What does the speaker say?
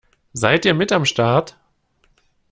Seid ihr mit am Start?